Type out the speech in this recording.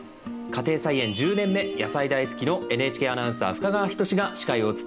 家庭菜園１０年目野菜大好きのＮＨＫアナウンサー深川仁志が司会を務めます。